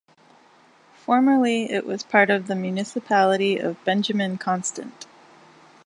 Formerly, it was part of the Municipality of Benjamin Constant.